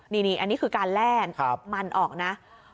นี่อันนี้คือการแล่นมันออกนะ